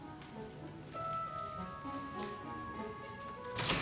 enggak gak ada apa apa kok